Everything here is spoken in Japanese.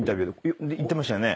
言ってましたよね？